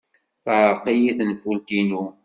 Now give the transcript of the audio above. Teɛreq-iyi tenfult-inu.